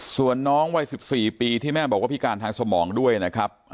ส่วนน้องวัย๑๔ปีที่แม่บอกว่าพิการทางสมองด้วยนะครับ